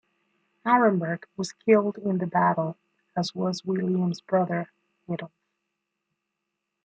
Aremberg was killed in the battle, as was William's brother Adolf.